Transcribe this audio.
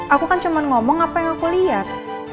aku kan cuma ngomong apa yang aku lihat